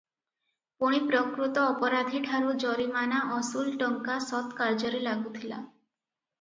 ପୁଣି ପ୍ରକୃତ ଅପରାଧୀ ଠାରୁ ଜରିମାନା ଅସୁଲ ଟଙ୍କା ସତ୍କାର୍ଯ୍ୟରେ ଲାଗୁଥିଲା ।